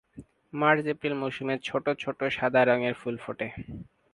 মার্চ-এপ্রিল মৌসুমে ছোট ছোট সাদা রঙের ফুল ফোটে।